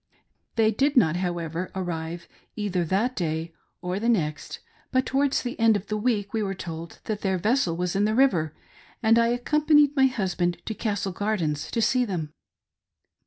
They did not, however, arrive either that day or the next ; but towards the end of the week we were told that their ves sel was in the river, and I accompanied my husband to Castle Gardens to see them.